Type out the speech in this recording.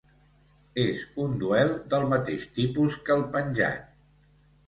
És un duel del mateix tipus que el penjat.